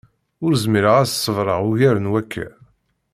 Ur zmireɣ ad s-ṣebreɣ ugar n wakka.